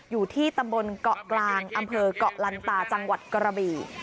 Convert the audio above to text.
อยู่ที่ตำบลเกาะกลางอำเภอกเกาะลันตาจังหวัดกระบี่